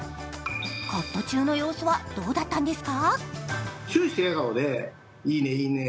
カット中の様子はどうだったんですか？